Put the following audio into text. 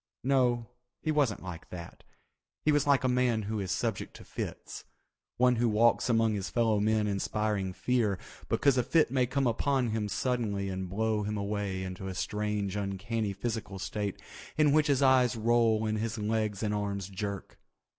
No, he wasn't like that—he was like a man who is subject to fits, one who walks among his fellow men inspiring fear because a fit may come upon him suddenly and blow him away into a strange uncanny physical state in which his eyes roll and his legs and arms jerk.